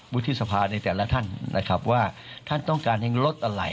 วุฒิสภาในแต่ละท่านนะครับว่าท่านต้องการให้ลดอะไร